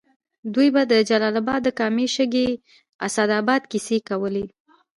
دوی به د جلال اباد د کامې، شګۍ، اسداباد کیسې کولې.